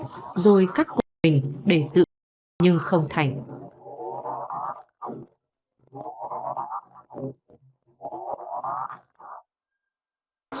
rồi cắt cuộc tình để tự nhưng không thành